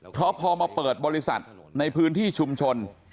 เพราะพอมาเปิดบริษัทในพื้นที่ชุมชน